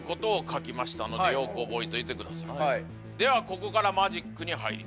ではここからマジックに入ります。